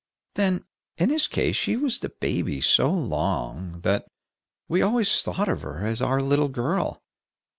Then, in this case, she was the baby so long, that we always thought of her as a little girl.